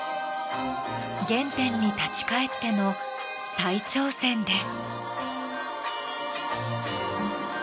原点に立ち返っての再挑戦です。